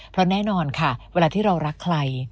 เพราะแน่นอนค่ะเวลาที่เรารักใคร